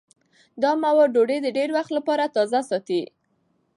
دا مواد ډوډۍ د ډېر وخت لپاره تازه ساتي.